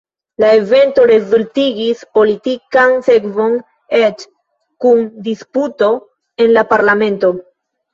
La evento rezultigis politikan sekvon eĉ kun disputo en la Parlamento.